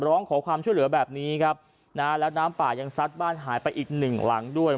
ร้องขอความช่วยเหลือแบบนี้ครับนะฮะแล้วน้ำป่ายังซัดบ้านหายไปอีกหนึ่งหลังด้วย